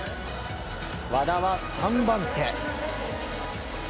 和田は３番手。